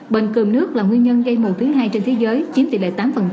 bệnh cường nước là nguyên nhân gây mùa thứ hai trên thế giới chiếm tỷ lệ tám